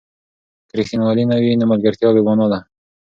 که ریښتینولي نه وي، نو ملګرتیا بې مانا ده.